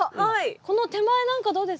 この手前なんかどうですか？